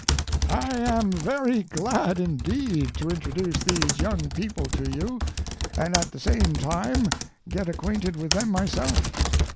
I am very glad indeed to introduce these young people to you, and at the same time get acquainted with them myself.